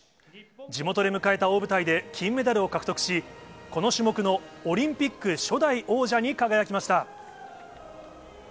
地元で迎えた大舞台で金メダルを獲得し、この種目のオリンピック初代王者に輝きました。